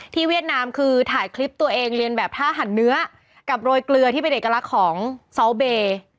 เวียดนามคือถ่ายคลิปตัวเองเรียนแบบท่าหันเนื้อกับโรยเกลือที่เป็นเอกลักษณ์ของซอลเบย์